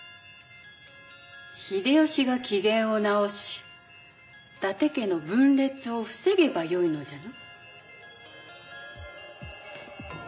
秀吉が機嫌を直し伊達家の分裂を防げばよいのじゃな。